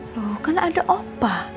loh kan ada opa